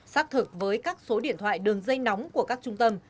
xác thực với các số điện thoại đường dây nóng của các trung tâm